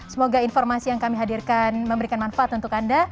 semoga informasi yang kami hadirkan memberikan manfaat untuk anda